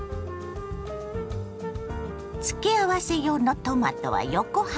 付け合わせ用のトマトは横半分に。